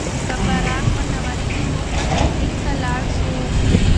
که باران ونه وریږي، موږ به تفریح ته لاړ شو.